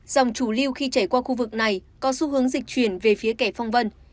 dòng chủ lưu khi chảy qua khu vực này có xu hướng dịch chuyển về phía kẻ phong vân